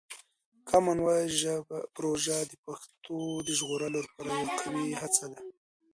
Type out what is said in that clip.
کامن وایس پروژه د پښتو د ژغورلو لپاره یوه قوي هڅه ده.